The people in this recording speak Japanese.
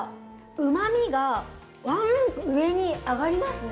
うまみがワンランク上に上がりますね。